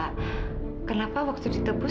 saya mau tanya kemarin kan dokter kasih resep itu dua